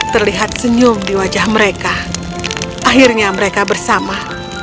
terlihat senyum di wajah mereka akhirnya mereka bersama